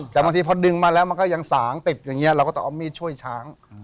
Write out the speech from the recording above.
แต่บางทีพอดึงมาแล้วมันก็ยังสางติดอย่างนี้เราก็ต้องเอามีดช่วยช้าง